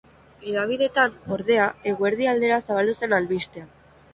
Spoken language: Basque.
Hedabideetan, ordea, eguerdi aldera zabaldu zen albistea.